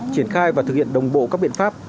triển khai và thực hiện đồng bộ các biện pháp